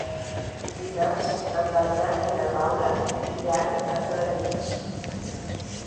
Dimarts en Bernat i na Paula iran a Felanitx.